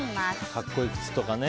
格好いい靴とかね。